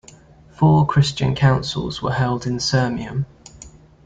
Four Christian councils were held in Sirmium.